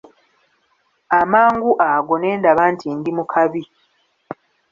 Amangu ago ne ndaba nti ndi mu kabi.